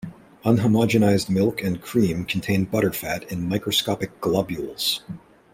Unhomogenized milk and cream contain butterfat in microscopic globules.